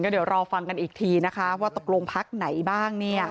เดี๋ยวรอฟังกันอีกทีนะคะว่าตกลงพักไหนบ้างเนี่ย